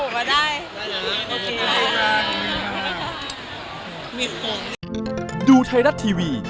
ไม่น่าจะมีอะไรโผล่มาได้